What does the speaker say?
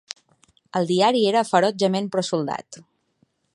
El diari era ferotgement pro-soldat.